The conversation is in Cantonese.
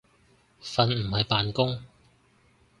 瞓唔係扮工